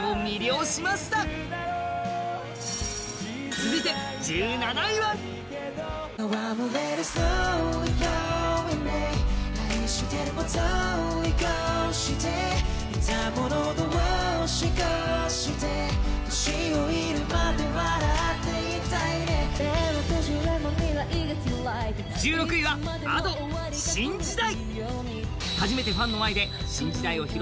続いて１７位は１６位はＡｄｏ、「新時代」。